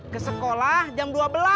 ke sekolah jam dua belas